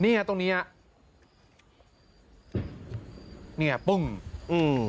เนี้ยตรงเนี้ยเนี้ยปึ้งอืม